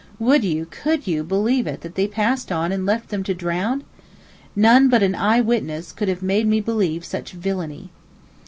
Would you, could you, believe it that they passed on and left them to drown? None but an eyewitness could have made me believe such villainy.